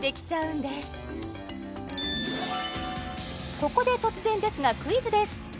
ここで突然ですがクイズです